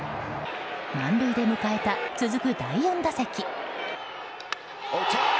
満塁で迎えた、続く第４打席。